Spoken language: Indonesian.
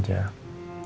cuman aku mau